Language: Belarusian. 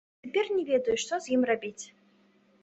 Цяпер не ведаю, што з ім рабіць.